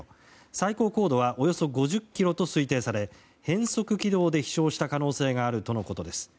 最高高度はおよそ５０ｋｍと推定され変則起動で飛翔した可能性があるとのことです。